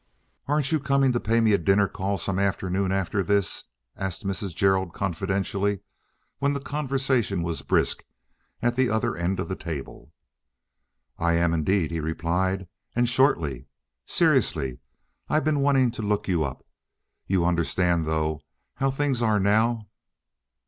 "Aren't you coming to pay me a dinner call some afternoon after this?" asked Mrs. Gerald confidentially when the conversation was brisk at the other end of the table. "I am, indeed," he replied, "and shortly. Seriously, I've been wanting to look you up. You understand though how things are now?"